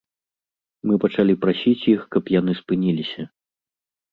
Мы пачалі прасіць іх, каб яны спыніліся.